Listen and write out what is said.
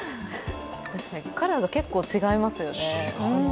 カラーが結構違いますよね。